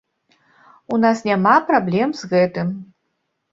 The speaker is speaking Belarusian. У нас няма праблем з гэтым.